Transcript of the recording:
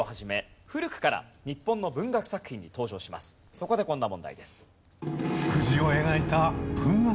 そこでこんな問題です。